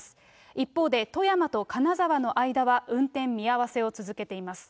一方で、富山と金沢の間は運転見合わせを続けています。